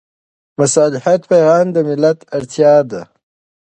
د مصالحت پېغام د ملت اړتیا ده.